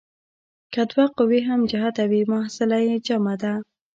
که دوه قوې هم جهته وي محصله یې جمع ده.